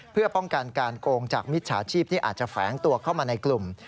เพื่อป้องกันการโกงจากมิจฉาชีพที่อาจจะแฝงตัวเข้ามาในกลุ่ม